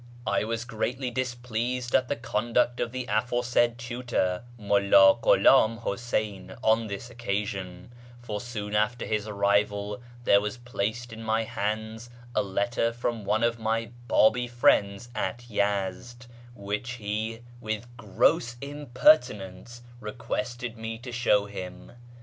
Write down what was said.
I was greatly displeased at the conduct of the aforesaid tutor, ]\Iulla Ghuliim Huseyn, on this occasion ; for soon after his arrival there was placed in my hands a letter from one of my Babi friends at Yezd, which he, with gross impertinence, requested me to show him.